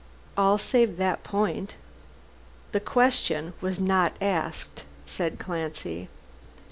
"All save that point." "The question was not asked," said Clancy.